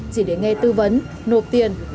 chỉ để nghe tư vấn nộp tiền